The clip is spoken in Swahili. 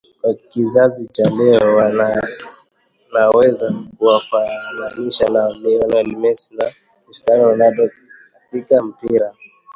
Kwa kizazi cha leo naweza kuwafananisha na Lionel Messi na Cristiano Ronaldo katika mpira